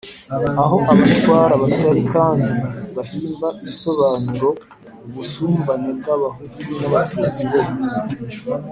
aho abatwa batari kandi, bahimba ibisobanuro ubusumbane bw’abahutu n’abatutsi bonyine.